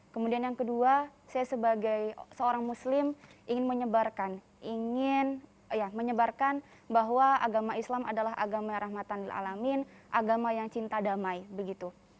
kemudian yang kedua saya sebagai seorang muslim ingin menyebarkan ingin menyebarkan bahwa agama islam adalah agama rahmatan ⁇ alamin ⁇ agama yang cinta damai begitu